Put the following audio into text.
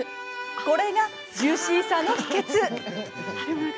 これがジューシーさの秘けつ！